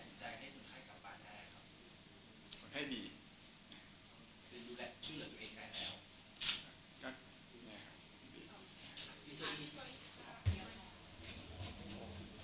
แล้วคุณกลับจุดใจให้คุณขายกลับบ้านได้ไหมครับ